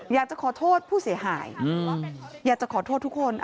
อยากจะขอโทษผู้เสียหายอยากจะขอโทษทุกคน